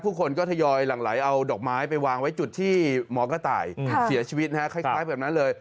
คนก็ทยอยหลังไหลเอาดอกไม้ไปวางไว้จุดที่หมอกระต่ายเสียชีวิตนะฮะคล้ายแบบนั้นเลย